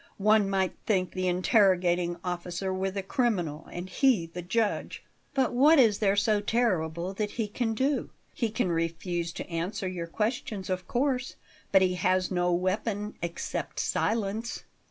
One might think the interrogating officer were the criminal and he the judge." "But what is there so terrible that he can do? He can refuse to answer your questions, of course; but he has no weapon except silence."